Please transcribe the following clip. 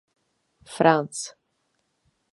Franz.